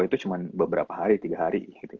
itu cuma beberapa hari tiga hari